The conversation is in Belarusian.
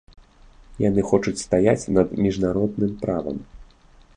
Яны хочуць стаяць над міжнародным правам.